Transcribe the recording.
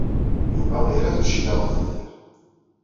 Yuba ira tuccga ɣef udfel.